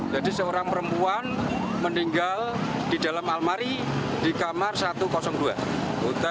jadi seorang perempuan meninggal di dalam almari di kamar satu ratus dua hotel ponik